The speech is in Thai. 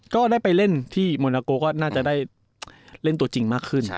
ก็ได้ไปเล่นที่โมนาโกก็น่าจะได้เล่นตัวจริงมากขึ้น